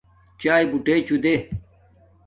چاݵے بوٹے چو دے